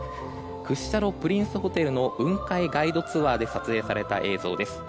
屈斜路プリンスホテルの雲海ガイドツアーで撮影された映像です。